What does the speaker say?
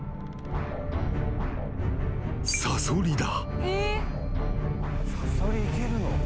［サソリだ］